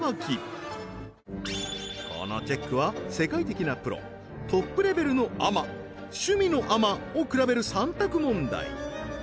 このチェックは世界的なプロトップレベルのアマ趣味のアマを比べる３択問題